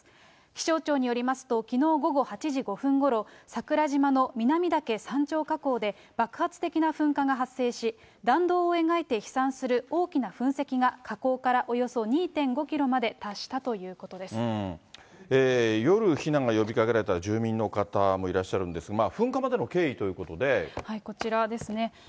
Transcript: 気象庁によりますと、きのう午後８時５分ごろ、桜島の南岳山頂火口で爆発的な噴火が発生し、弾道を描いて飛散する大きな噴石が火口からおよそ２．５キロまで夜、避難が呼びかけられた住民の方もいらっしゃるんですが、噴火までこちらですね。